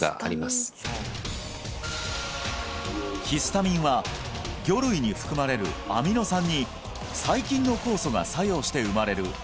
ヒスタミンは魚類に含まれるアミノ酸に細菌の酵素が作用して生まれる